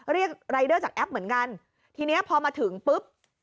เรียกรายเดอร์จากแอปเหมือนกันทีนี้พอมาถึงปุ๊บ